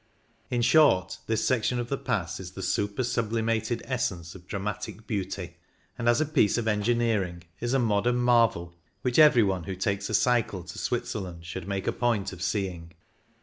In short, this section of the Pass is the super sublimated essence of dramatic beauty, and as a piece of engineering is a modern marvel which THE SCHYN loi every one who takes a cycle to Switzerland should make a point of seeing.